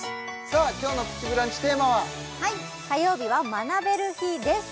さあ今日の「プチブランチ」テーマははい火曜日は学べる日です